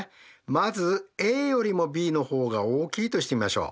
まずａよりもｂの方が大きいとしてみましょう。